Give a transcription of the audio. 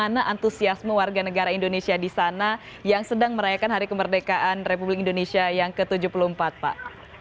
bagaimana antusiasme warga negara indonesia di sana yang sedang merayakan hari kemerdekaan republik indonesia yang ke tujuh puluh empat pak